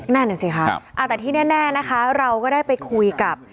แน่นอนสิครับครับอ่าแต่ที่แน่แน่นะคะเราก็ได้ไปคุยกับ